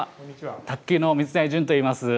卓球の水谷隼といいます。